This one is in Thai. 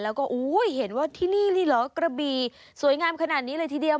แล้วก็อุ้ยเห็นว่าที่นี่เลยเหรอกระบี่สวยงามขนาดนี้เลยทีเดียว